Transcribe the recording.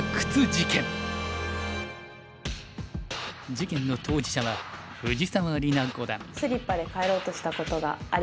事件の当事者は藤沢里菜五段。